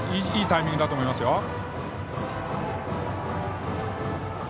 いいタイミングだと思いますよ。